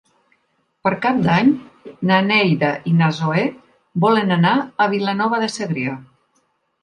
Per Cap d'Any na Neida i na Zoè volen anar a Vilanova de Segrià.